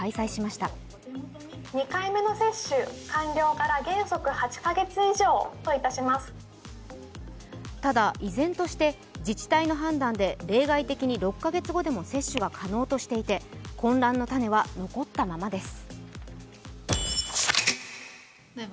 ただ、依然として自治体の判断で例外的に６カ月後でも接種が可能としていて混乱の種は残ったままです。